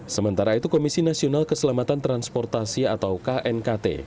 sementara itu komisi nasional keselamatan transportasi atau knkt